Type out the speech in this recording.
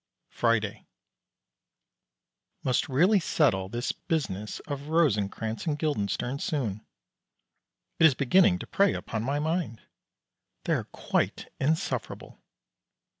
Friday. Must really settle this business of Rosencrantz and Guildenstern soon. It is beginning to prey upon my mind. They are quite insufferable.